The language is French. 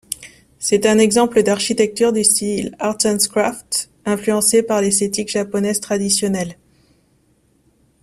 C'est un exemple d'architecture du style Arts & Crafts influencé par l'esthétique japonaise traditionnelle.